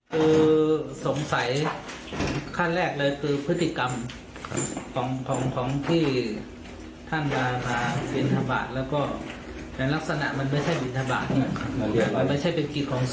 คือสงสัยขั้นแรกเลยคือพฤติกรรมของของของที่ท่านบาฮาวินทบาทแล้วก็เป็นลักษณะมันไม่ใช่วินทบาทไม่ใช่เป็นกิจของสม